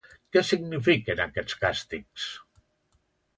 Què signifiquen aquests càstigs?